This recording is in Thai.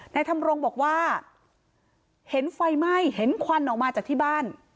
ทำรงบอกว่าเห็นไฟไหม้เห็นควันออกมาจากที่บ้าน